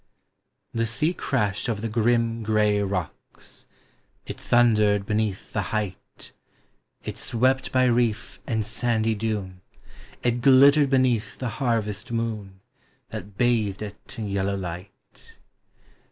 The sea crashed over the grim gray rocks, It thundered beneath the height, It swept by reef and sandy dune, It glittered beneath the harvest moon, That bathed it in yellow light.